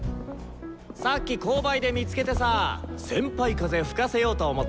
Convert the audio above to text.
さっき購買で見つけてさ先輩風吹かせようと思って！